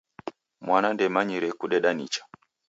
Mwana ndemanyire kudeda nicha.